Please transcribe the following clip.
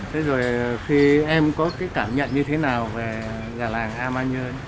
thế rồi em có cái cảm nhận như thế nào về gà làng a ma nhiên